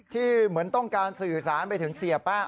เหมือนต้องการสื่อสารไปถึงเสียแป้ง